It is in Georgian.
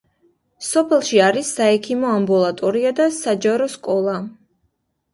სოფელში არის საექიმო ამბულატორია და საჯარო სკოლა.